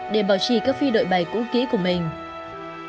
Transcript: để bảo trì các phi đội bày cũ kỹ của mình